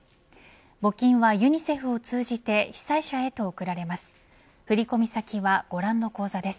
募金はユニセフを通じて被災者へと送られます。